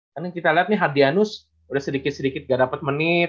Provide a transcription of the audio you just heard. kan yang kita liat nih hardianus udah sedikit sedikit gak dapet menit